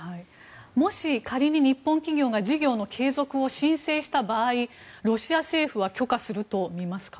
もし、仮に日本企業が事業の継続を申請した場合ロシア政府は許可すると見ますか？